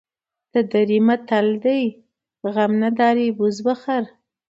دري متل دی: غم نداری بز بخر.